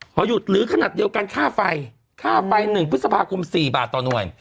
พอหยุดหรือขนาดเดียวกันค่าไฟค่าไฟ๑พฤษภาคม๔บาทต่อหน่วย